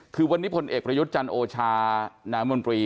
คือวันนี้พลเอกประยุทธ์จันทร์โอชานามนตรี